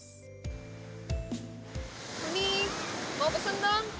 puni mau pesen dong